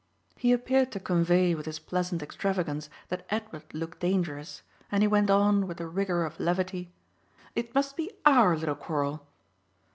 He appeared to convey with his pleasant extravagance that Edward looked dangerous, and he went on with a rigour of levity: "It must be OUR little quarrel."